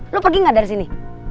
lo pergi gak dari sini